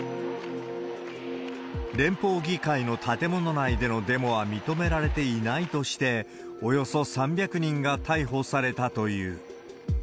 連邦議会の建物内でのデモは認められていないとして、およそ３００人が逮捕されたという。